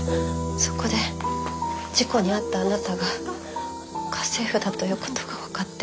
そこで事故に遭ったあなたが家政婦だということが分かって。